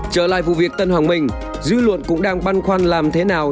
trở lại vụ việc tân hoàng minh dư luận cũng đang băn khoăn làm thế nào